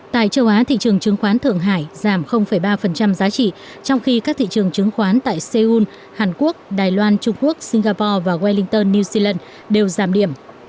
tại châu á thị trường chứng khoán thượng hải giảm ba giá trị trong khi các thị trường chứng khoán tại seoul hàn quốc đài loan trung quốc singapore và wellington new zealand đều giảm điểm